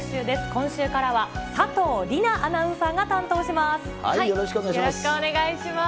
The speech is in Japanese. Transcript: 今週からは、佐藤梨那アナウンサーが担当します。